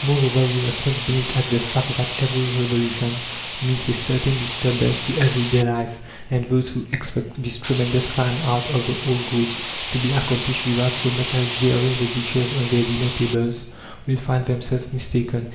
Moreover, we must not blink at the fact that every revolution means a certain disturbance to everyday life, and those who expect this tremendous climb out of the old grooves to be accomplished without so much as jarring the dishes on their dinner tables will find themselves mistaken.